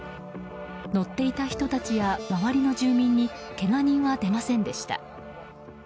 乗っていた人たちや周りの住民にけが人は出ませんでした。